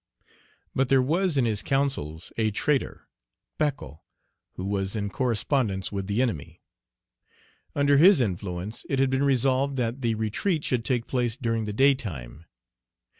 But there was in his councils a traitor, Pacot, who was in correspondence with the enemy. Under his influence it had been resolved that the retreat should take place during the daytime.